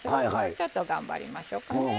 ちょっと頑張りましょうかね。